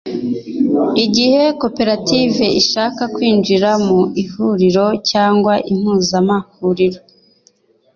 igihe koperative ishaka kwinjira mu ihuriro cyangwa impuzamahuriro